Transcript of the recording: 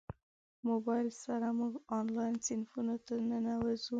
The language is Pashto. موبایل سره موږ انلاین صنفونو ته ننوځو.